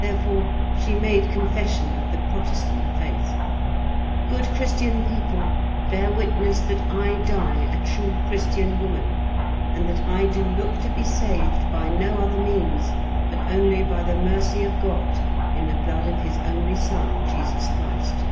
Therefore, she made confession of the Protestant Faith: 'Good Christian people, bear witness that I die a true Christian woman and that I do look to be saved by no other means but only by the mercy of God, in the blood of his only son, Jesus Christ.'